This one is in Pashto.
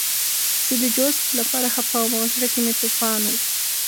زه د جوزف لپاره خپه وم او زړه کې مې توپان و